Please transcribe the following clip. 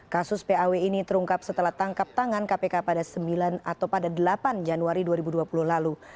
kasus paw ini terungkap setelah tangkap tangan kpk pada sembilan atau pada delapan januari dua ribu dua puluh lalu